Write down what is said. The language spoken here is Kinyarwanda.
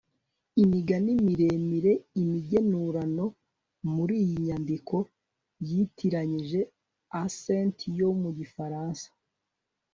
imigani miremire, imigenurano. muri iyi nyandiko yitiranyije accent yo mu gifaransa